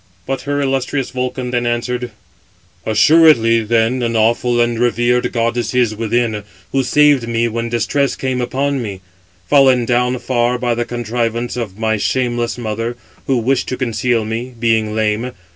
But her illustrious Vulcan then answered: "Assuredly then an awful and revered goddess is within, who saved me when distress came upon me, fallen down far by the contrivance of my shameless mother, who wished to conceal me, being lame.